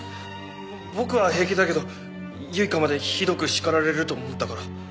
ぼ僕は平気だけど唯香までひどく叱られると思ったから。